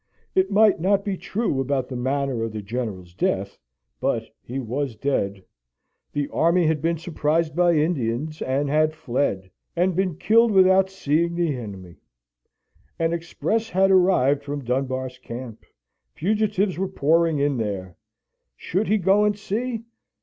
It might not be true about the manner of the General's death but he was dead. The army had been surprised by Indians, and had fled, and been killed without seeing the enemy. An express had arrived from Dunbar's camp. Fugitives were pouring in there. Should he go and see?